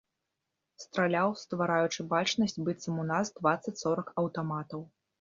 Страляў, ствараючы бачнасць быццам у нас дваццаць-сорак аўтаматаў.